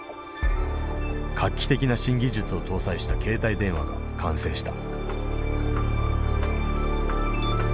画期的な新技術を搭載した携帯電話が完成した。